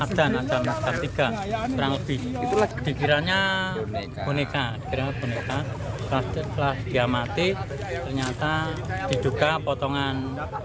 adhan ada muka tiga lebih dikiranya boneka keras boneka keras diamati ternyata diduka potongan